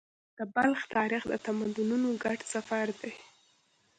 د بلخ تاریخ د تمدنونو ګډ سفر دی.